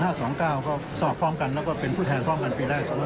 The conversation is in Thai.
เพราะสมัครพร้อมกันแล้วก็เป็นผู้แทนพร้อมกันปีแรก